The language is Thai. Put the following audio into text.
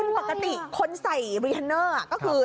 คือปกติคนใส่รีฮันเนอร์ก็คือ